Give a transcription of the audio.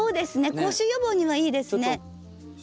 口臭予防にはいいですね。